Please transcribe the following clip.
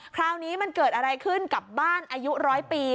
คราวนี้มันเกิดอะไรขึ้นกับบ้านอายุร้อยปี